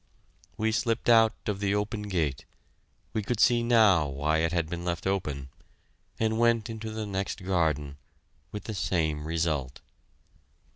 We slipped out of the open gate we could see now why it had been left open and went into the next garden with the same result.